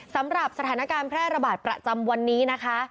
สำหรับสถานการณ์แพร่ระบาดประจำวันนี้นะคะ